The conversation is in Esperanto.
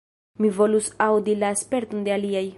Mi volus aŭdi la sperton de aliaj.